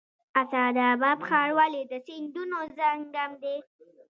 اسعد اباد ښار ولې د سیندونو سنگم دی؟